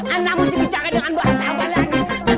anda harus bicara dengan bahasa apa lagi